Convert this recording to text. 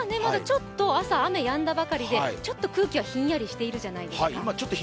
今、雨がやんだばかりでちょっと空気はひんやりしているじゃないですか。